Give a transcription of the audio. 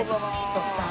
徳さん